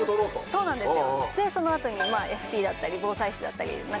そうなんですよ。